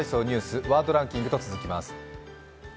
ニュース、ワードランキングと続きます。